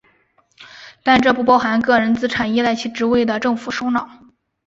但这不包含个人资产依赖其职位的政府首脑。